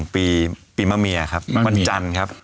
ปีมะเมียครับวันจันทร์ครับ